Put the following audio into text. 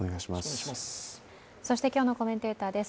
そして今日のコメンテーターです。